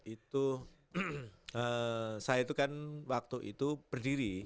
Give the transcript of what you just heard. itu saya itu kan waktu itu berdiri